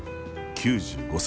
９５歳。